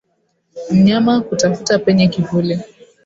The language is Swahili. Mnyama kutafuta penye kivuli